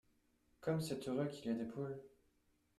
Comme c’est heureux qu’il y ait des poules !